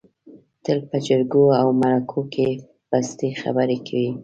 تل په جرګو او مرکو کې پستې خبرې کوي.